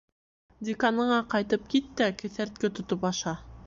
Деканыңа ҡайтып кит тә кеҫәртке тотоп аша.